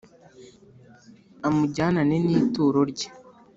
amujyanane n ituro rye